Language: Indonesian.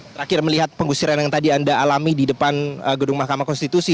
terakhir melihat penggusuran yang tadi anda alami di depan gedung mahkamah konstitusi